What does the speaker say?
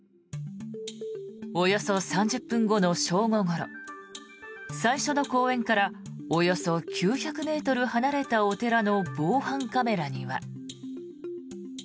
およそ３０分後の正午ごろ最初の公園からおよそ９００ｍ離れたお寺の防犯カメラには。